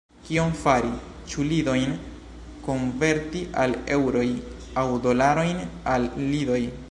Kion fari: ĉu lidojn konverti al eŭroj, aŭ dolarojn al lidoj?